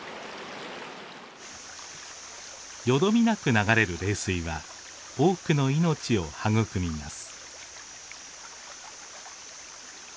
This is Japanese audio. よどみなく流れる冷水は多くの命を育みます。